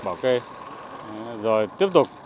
bảo kê rồi tiếp tục